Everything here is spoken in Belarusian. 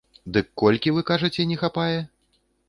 Дык колькі, вы кажаце, не хапае?